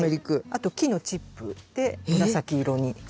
あと木のチップで紫色になって。